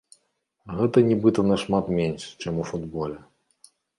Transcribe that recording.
Гэта нібыта нашмат менш, чым у футболе.